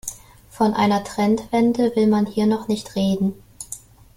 Von einer Trendwende will man hier noch nicht reden.